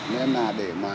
nên là để mà